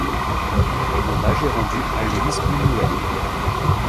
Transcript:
Un hommage est rendu à Luis Buñuel.